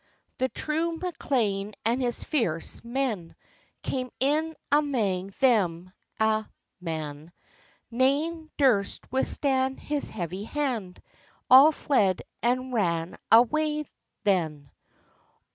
The true Maclean and his fierce men Came in amang them a', man; Nane durst withstand his heavy hand. All fled and ran awa' then.